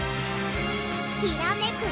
きらめく